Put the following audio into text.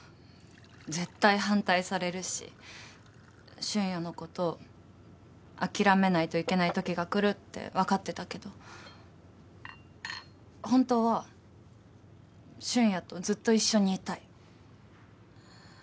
絶対反対されるし俊也のこと諦めないといけないときが来るって分かってたけど本当は俊也とずっと一緒にいたい。